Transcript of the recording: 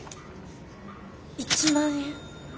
１万円？